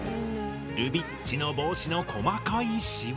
ルビッチの帽子の細かいシワ。